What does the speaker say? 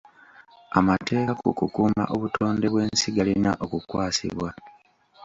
Amateeka ku kukuuma obutonde bw'ensi galina okukwasibwa.